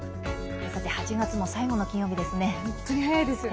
さて、８月も最後の金曜日ですね。